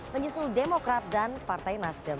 menyusul demokrat dan partai nasdem